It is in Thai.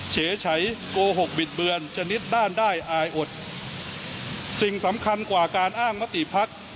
เฉยใช้โกหกบิดเบือนชนิดด้านได้อายอด